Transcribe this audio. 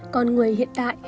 con người hiện đại